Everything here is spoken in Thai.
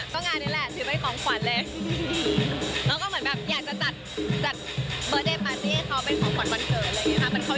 งานนี้ซักหน่อยซักนะยใส่เบอร์เตยม๊านิ่งเขามาเป็นของขวัญแหวนเกิด